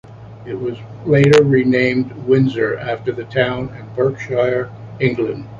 It was later renamed Windsor, after the town in Berkshire, England.